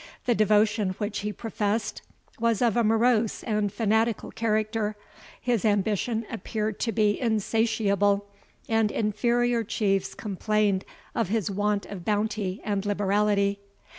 The devotion which he professed was of a morose and fanatical character; his ambition appeared to be insatiable, and inferior chiefs complained of his want of bounty and liberality.